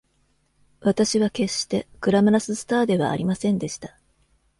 私は決してグラマラススターではありませんでした。